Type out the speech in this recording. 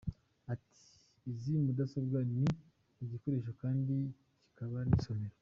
Ati” Izi mudasobwa ni igikoresho kandi kikaba n’isomero.